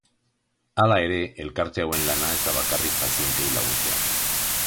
Hala ere, elkarte hauen lana ez da bakarrik pazienteei laguntzea.